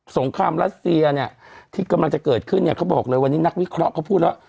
งครามรัสเซียเนี่ยที่กำลังจะเกิดขึ้นเนี่ยเขาบอกเลยวันนี้นักวิเคราะห์เขาพูดว่า